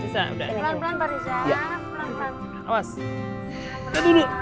pelan pelan pak riza pelan pelan